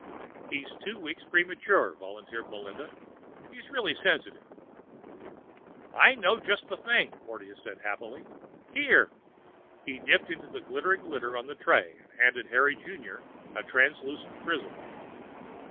"He was two weeks premature," volunteered Melinda. "He's real sensitive." "I know just the thing," Porteous said happily. "Here." He dipped into the glittering litter on the tray and handed Harry Junior a translucent prism.